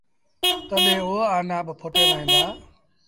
تڏهيݩ او آنآ با ڦُٽي وهيݩ دآ۔